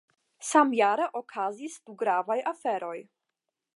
Samjare okazis du gravaj aferoj.